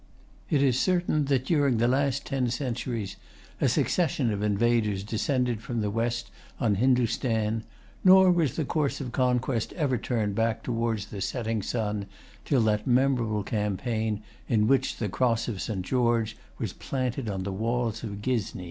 It is certain that, during the last ten centuries, a succession of invaders descended from the west on Hindostan; nor was the course of conquest ever turned back towards the setting sun, till that memorable campaign in which the cross of St. George was planted on the walls of Ghizni.